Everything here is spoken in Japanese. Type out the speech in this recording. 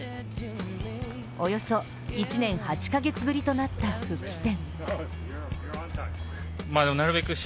およそ１年８か月ぶりとなった復帰戦。